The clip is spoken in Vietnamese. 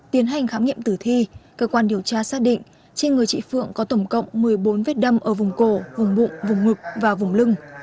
tiến hành khám nghiệm tử thi cơ quan điều tra xác định trên người chị phượng có tổng cộng một mươi bốn vết đâm ở vùng cổ vùng bụng vùng ngực và vùng lưng